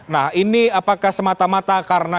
nah ini apakah semata mata karena